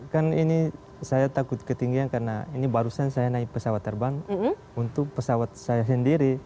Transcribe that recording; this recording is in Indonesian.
kan ini saya takut ketinggian karena ini barusan saya naik pesawat terbang untuk pesawat saya sendiri